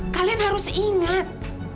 kalian harus ingat